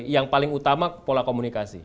yang paling utama pola komunikasi